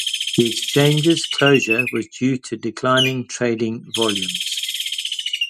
The exchange's closure was due to declining trading volumes.